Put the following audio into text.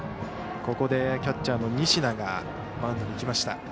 ここでキャッチャーの西田がマウンドに行きました。